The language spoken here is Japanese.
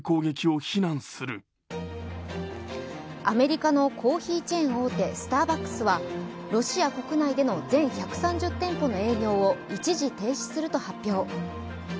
アメリカのコーヒーチェーン大手、スターバックスはロシア国内での全１３０店舗の営業を一時停止すると発表。